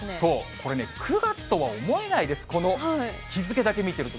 これね、９月とは思えないです、この日付だけ見てると。